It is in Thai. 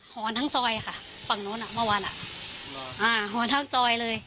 อนทั้งซอยค่ะฝั่งนู้นอ่ะเมื่อวานอ่ะอ่าหอนทั้งซอยเลย